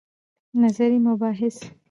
نظري مباحث